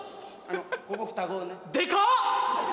ここ双子ねでかっ！